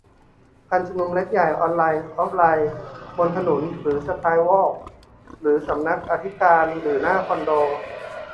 การชุมนุมเล็กใหญ่ ออนไลน์ ออฟไลน์ บนถนนหรือสกายวอล์ก หน้าสำนักอธิการหรือหน้าคอนโด